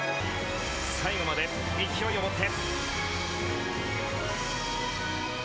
最後まで勢いをもって。